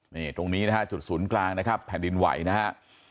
นี่ตรงนี้นะฮะจุดศูนย์กลางนะครับแผ่นดินไหวนะฮะ